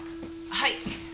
はい。